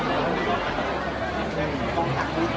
การรับความรักมันเป็นอย่างไร